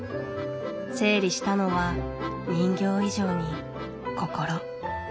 整理したのは人形以上に心。